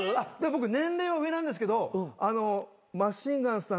僕年齢は上なんですけどマシンガンズさん